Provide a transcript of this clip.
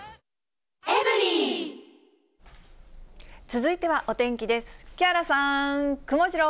続いてはお天気です。